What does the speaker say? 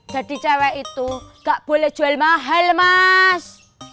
jadi cewek itu gak boleh jual mahal mas